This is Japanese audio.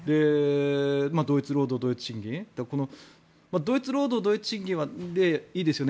同一労働同一賃金同一労働同一賃金はいいですよね。